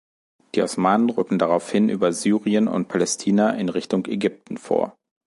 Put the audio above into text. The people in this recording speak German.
Die Osmanen rücken daraufhin über Syrien und Palästina in Richtung Ägypten vor.